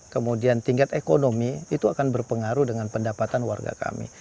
kemudian tingkat ekonomi itu akan berpengaruh dengan pendapatan warga kami